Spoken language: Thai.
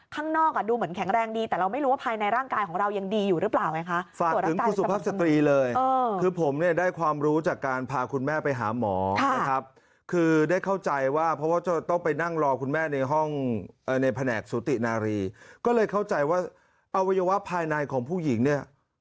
คือได้เข้าใจว่าเพราะว่าจะต้องไปนั่งรอคุณแม่ในห้องในแผนกสุตินารีก็เลยเข้าใจว่าอวัยวะภายในของผู้หญิงเนี่ย